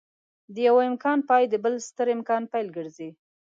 د يوه امکان پای د بل ستر امکان پيل ګرځي.